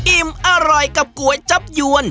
อิ่มอร่อยกับก๋วยจับยวน